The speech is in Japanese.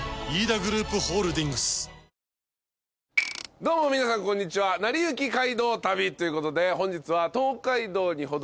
どうも皆さんこんにちは『なりゆき街道旅』ということで本日は。